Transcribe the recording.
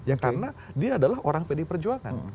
ya karena dia adalah orang pd perjuangan